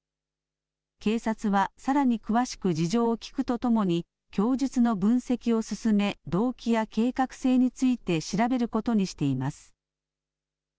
警察はさらに詳しく事情を聴くとともに、供述の分析を進め、動機や計画性について調べることにしています。